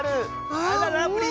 あらラブリー。